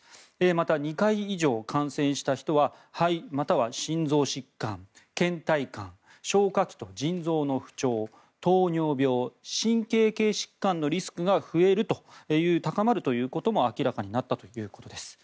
また、２回以上感染した人は肺または心臓疾患けん怠感、消化器と腎臓の不調糖尿病、神経系疾患のリスクが高まるということも明らかになったということです。